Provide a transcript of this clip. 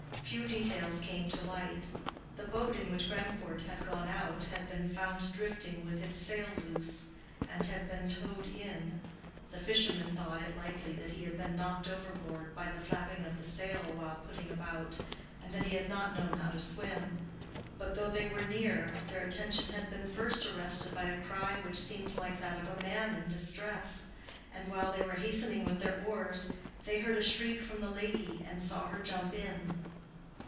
Few details came to light. The boat in which Grandcourt had gone out had been found drifting with its sail loose, and had been towed in. The fishermen thought it likely that he had been knocked overboard by the flapping of the sail while putting about, and that he had not known how to swim; but, though they were near, their attention had been first arrested by a cry which seemed like that of a man in distress, and while they were hastening with their oars, they heard a shriek from the lady, and saw her jump in.